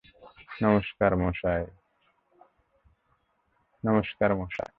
নমস্কার, মশাই।